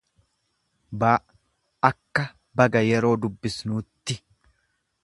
b akka baga yeroo dubbisnuutti.